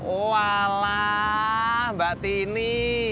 walah mbak tini